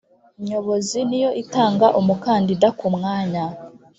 nyobozi niyo itanga umukandida ku mwanya